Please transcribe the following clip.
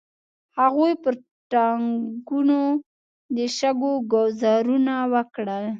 هغوی پر ټانګونو د شګو ګوزارونه وکړل.